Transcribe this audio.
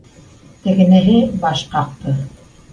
Тегенеһе баш ҡаҡты.